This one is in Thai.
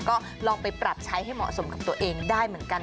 ก็ลองไปปรับใช้ให้เหมาะสมกับตัวเองได้เหมือนกัน